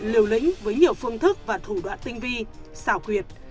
liều lĩnh với nhiều phương thức và thủ đoạn tinh vi xảo quyệt